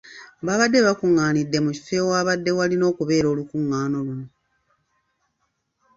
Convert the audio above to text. Baabadde bakung'aanidde mu kifo ewaabadde walina okubeera olukung'aana luno.